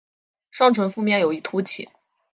上唇腹面有一突起。